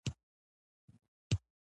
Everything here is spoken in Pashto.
لوى لوى جوماتونه وو.